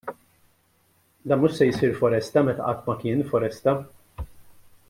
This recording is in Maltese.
Dan mhux se jsir foresta meta qatt ma kien foresta!